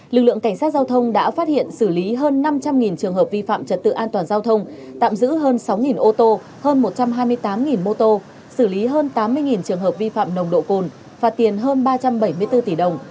lực lượng cảnh sát giao thông đã phát hiện xử lý hơn năm trăm linh trường hợp vi phạm trật tự an toàn giao thông tạm giữ hơn sáu ô tô hơn một trăm hai mươi tám mô tô xử lý hơn tám mươi trường hợp vi phạm nồng độ cồn phạt tiền hơn ba trăm bảy mươi bốn tỷ đồng